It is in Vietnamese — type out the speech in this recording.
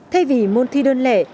thay vì môn thi đơn lẻ